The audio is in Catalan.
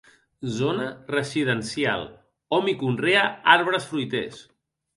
Zona residencial, hom hi conrea arbres fruiters.